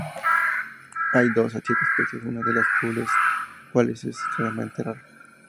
Hay dos a siete especies, una de las cuales es extremadamente rara.